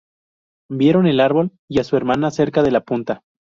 Vieron el árbol y a su hermana cerca de la punta.